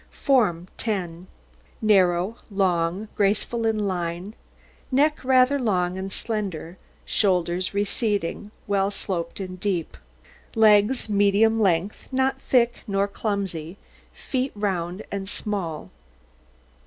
FORM 10 Narrow, long, graceful in line, neck rather long and slender; shoulders receding, well sloped, and deep; legs medium length, not thick nor clumsy; feet round and small.